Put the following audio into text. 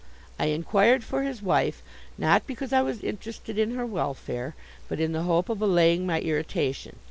I inquired for his wife, not because I was interested in her welfare, but in the hope of allaying my irritation.